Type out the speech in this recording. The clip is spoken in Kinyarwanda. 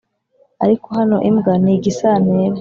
ariko hano imbwa ni igisantera